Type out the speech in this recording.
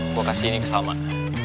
gue kasih ini ke salman